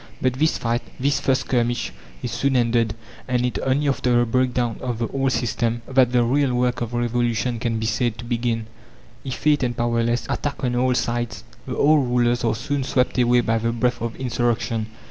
But this fight, this first skirmish, is soon ended, and it only after the breakdown of the old system that the real work of revolution can be said to begin. Effete and powerless, attacked on all sides, the old rulers are soon swept away by the breath of insurrection.